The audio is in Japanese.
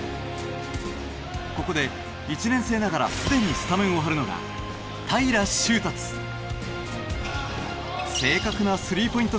ここで１年生ながらすでにスタメンをはるのが正確なスリーポイント